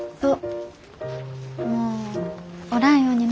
そう。